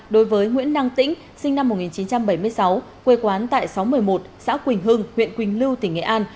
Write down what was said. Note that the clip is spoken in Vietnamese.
đối với nguyễn năng tĩnh sinh năm một nghìn chín trăm bảy mươi sáu quê quán tại xóm một mươi một xã quỳnh hưng huyện quỳnh lưu tỉnh nghệ an